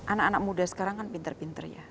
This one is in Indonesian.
anak anak muda sekarang kan pintar pintar ya